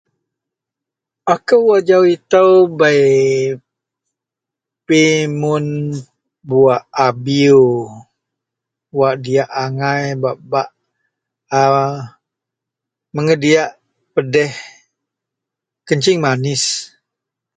. Akou ajau itou bei pimun buwak abiew wak diyak angai bak-bak a mengediyak pedeh kencing manis.